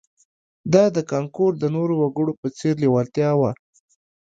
دا د کانګو د نورو وګړو په څېر لېوالتیا وه